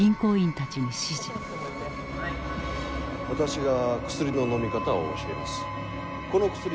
私が薬の飲み方を教えます。